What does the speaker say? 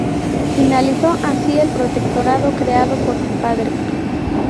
Finalizó así El Protectorado creado por su padre.